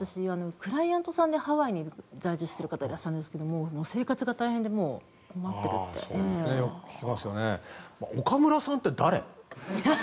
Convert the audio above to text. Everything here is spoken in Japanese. クライアントさんでハワイに在住してる方がいらっしゃるんですけど生活が大変で困っているんですって。